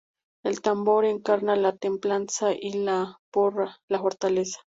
El "Tambor" encarna la Templanza y la "Porra", la fortaleza.